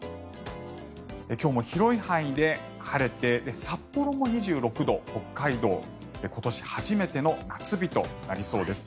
今日も広い範囲で晴れて札幌も２６度北海道、今年初めての夏日となりそうです。